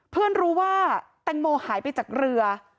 เพื่อนรู้ว่าแตงโมหายไปจากเรือ